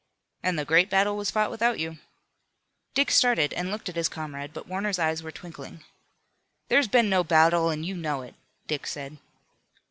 "And the great battle was fought without you." Dick started, and looked at his comrade, but Warner's eyes were twinkling. "There's been no battle, and you know it," Dick said.